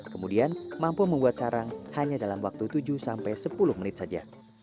kemudian mampu membuat sarang hanya dalam waktu tujuh sampai sepuluh menit saja